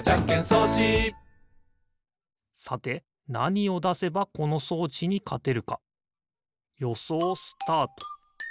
さてなにをだせばこの装置にかてるかよそうスタート！